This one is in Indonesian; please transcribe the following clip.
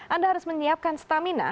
anda harus menyiapkan stamina